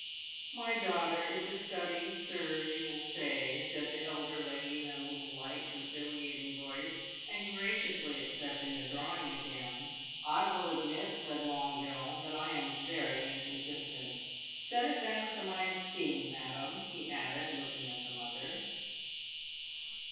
"My daughter is a study, sir, you will say," said the elder lady in a little, light, conciliating voice, and graciously accepting the drawing again. "I will admit," said Longueville, "that I am very inconsistent. Set it down to my esteem, madam," he added, looking at the mother.